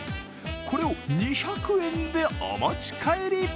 これを２００円でお持ち帰り。